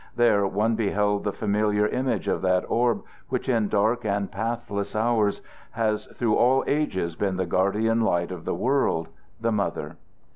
There one beheld the familiar image of that orb which in dark and pathless hours has through all ages been the guardian light of the world the mother.